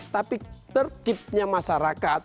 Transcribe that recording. tapi tertibnya masyarakat